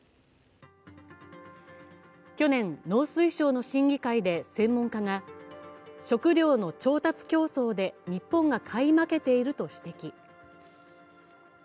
去年、農水省の審議会で専門家が食料の調達競争で日本が買い負けていると指摘。